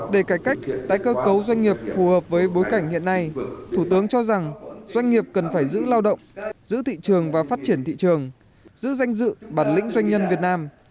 để cải cách tái cơ cấu doanh nghiệp phù hợp với bối cảnh hiện nay thủ tướng cho rằng doanh nghiệp cần phải giữ lao động giữ thị trường và phát triển thị trường giữ danh dự bản lĩnh doanh nhân việt nam